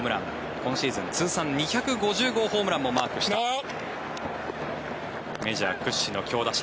今シーズン通算２５０号ホームランも記録したメジャー屈指の強打者。